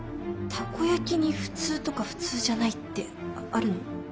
たこやきに普通とか普通じゃないってあるの？